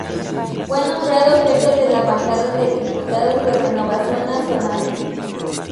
Fue nombrado jefe de la Bancada de diputados de Renovación Nacional.